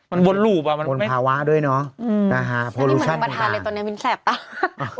มันวนลูบอะมันไม่วนภาวะด้วยเนอะนะฮะโปรลูชันอุปาทาเลยตอนนี้มิ้นท์แสบตา